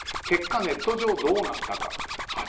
結果ネット上どうなったか。